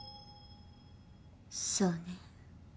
そうね。